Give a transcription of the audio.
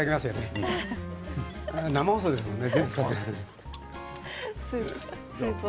今日は生放送ですもんね。